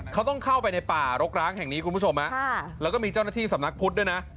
เขาต้องเข้าไปในป่ารกร้างแห่งนี้คุณผู้ชมแล้วก็มีเจ้าหน้าที่สำนักพุทธด้วยนะ